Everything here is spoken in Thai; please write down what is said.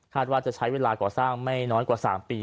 ว่าจะใช้เวลาก่อสร้างไม่น้อยกว่า๓ปี